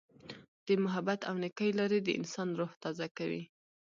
د محبت او نیکۍ لارې د انسان روح تازه کوي.